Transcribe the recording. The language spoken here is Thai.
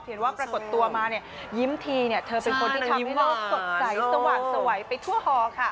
เห็นว่าปรากฏตัวมาเนี่ยยิ้มทีเนี่ยเธอเป็นคนที่ทำให้โลกสดใสสว่างสวัยไปทั่วฮอค่ะ